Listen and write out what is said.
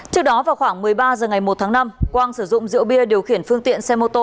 trước đó vào khoảng một mươi ba h ngày một tháng năm quang sử dụng rượu bia điều khiển phương tiện xe mô tô